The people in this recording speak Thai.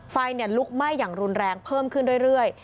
ไฟลุกไหม้อย่างรุนแรงเพิ่มขึ้นเรื่อย